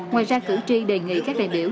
ngoài ra cử tri đề nghị các đại biểu